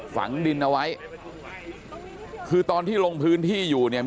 ฝังดินเอาไว้คือตอนที่ลงพื้นที่อยู่เนี่ย